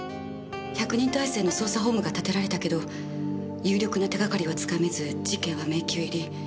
１００人態勢の捜査本部が立てられたけど有力な手がかりはつかめず事件は迷宮入り。